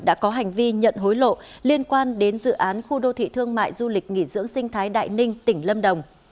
đã có hành vi nhận hối lộ liên quan đến dự án khu đô thị thương mại du lịch nghỉ dưỡng sinh thái đại ninh tỉnh lâm đồng